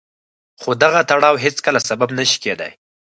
خو دغه تړاو هېڅکله سبب نه شي کېدای.